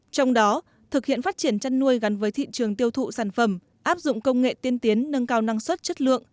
trong đó thực hiện phát triển chăn nuôi gắn với thị trường tiêu thụ sản phẩm áp dụng công nghệ tiên tiến nâng cao năng suất chất lượng